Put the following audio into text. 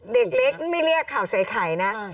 เด็กเล็กไม่เรียกข่าวใส่ไข่นะ